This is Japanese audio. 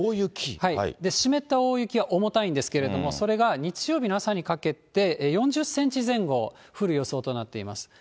湿った大雪は重たいんですけれども、それが日曜日の朝にかけて、４０センチ前後降る予想となっています。